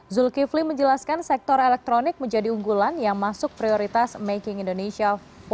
zulkifli menjelaskan sektor elektronik menjadi unggulan yang masuk prioritas making indonesia empat